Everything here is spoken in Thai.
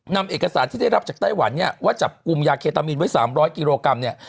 นำเอกสารที่ได้รับจากไต้หวันเนี่ยว่าจับกลุ่มยาเคตามีนไว้๓๐๐กิโลกรัมเนี่ย